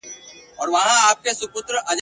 د نیکه نکل روان وي چي پلار تاو کړي خپل برېتونه ..